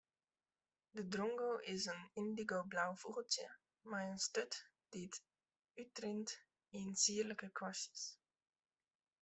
De drongo is in yndigoblau fûgeltsje mei in sturt dy't útrint yn sierlike kwastjes.